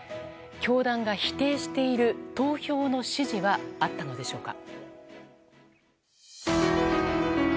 教団が否定している投票の指示はあったのでしょうか。